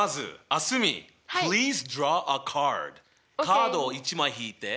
カードを１枚引いて。